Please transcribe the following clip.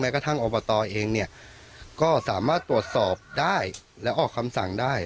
กระทั่งอบตเองเนี่ยก็สามารถตรวจสอบได้และออกคำสั่งได้